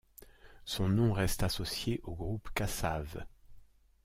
Son nom reste associé au groupe Kassav'.